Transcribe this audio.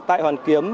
tại hoàn kiếm